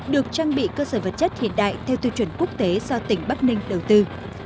được trang bị cơ sở vật chất hiện đại theo tiêu chuẩn quốc tế do tỉnh bắc ninh đầu tư